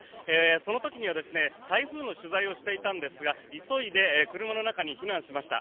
その時には台風の取材をしていたんですが急いで車の中に避難しました。